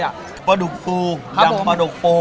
ยำปลาดูกฟูยำปลาดูกโฟ